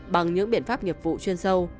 bằng những biện pháp nghiệp vụ chuyên sâu